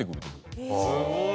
すごい。